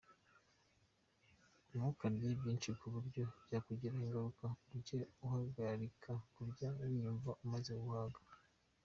Ntukarye byinshi ku buryo byakugiraho ingaruka, ujye uhagarika kurya niwumva umaze guhaga.